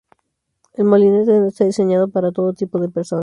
El molinete no está diseñado para todo tipo de personas.